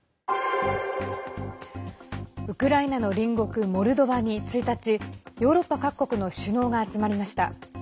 ウクライナの隣国モルドバに１日ヨーロッパ各国の首脳が集まりました。